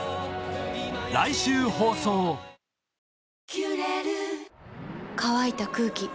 「キュレル」乾いた空気。